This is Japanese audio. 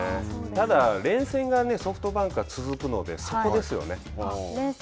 ただ、連戦がソフトバンクは続くので、そこですよね。